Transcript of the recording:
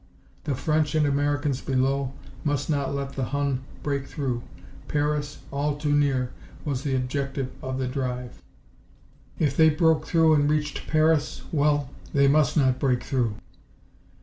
The French and Americans below must not let the Hun break through. Paris, all too near, was the objective of the drive. If they broke through and reached Paris well, they must not break through!